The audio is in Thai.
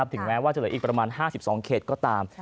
ถึงแม้ว่าจะเหลืออีกประมาณ๕๒เขตก็ตาม